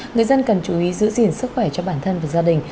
người dân cần chú ý giữ gìn sức khỏe cho bản thân và gia đình